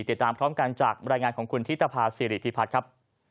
ติดตามพร้อมกันจากบรรยายงานของคุณธิตภาษีริพิพัฒน์ครับ